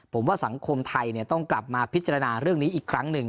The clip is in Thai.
ผมว่าสังคมไทยต้องกลับมาพิจารณาเรื่องนี้อีกครั้งหนึ่ง